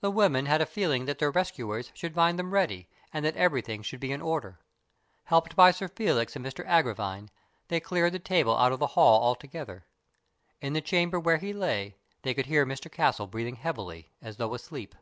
The women had a feeling that their rescuers should find them ready, and that everything should be in order. Helped by Sir Felix and Mr Agravine, they cleared the table out of the hall altogether. In the chamber where he lay, they could hear Mr Castle breathing heavily, as though asleep.